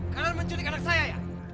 kalian menculik anak saya ya